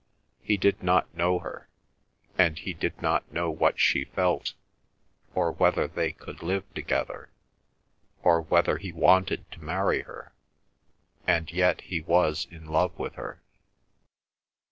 He did not know her, and he did not know what she felt, or whether they could live together, or whether he wanted to marry her, and yet he was in love with her.